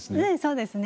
そうですね。